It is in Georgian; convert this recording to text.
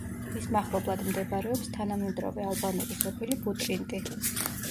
მის მახლობლად მდებარეობს თანამედროვე ალბანური სოფელი ბუტრინტი.